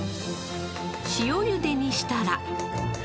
塩ゆでにしたら。